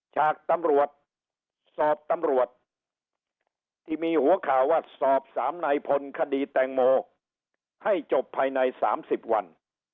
ฉากตำรวจสอบตำรวจที่มีหัวข่าวว่าสอบ๓นายพลคดีแตงโมให้จบภายใน๓๐วัน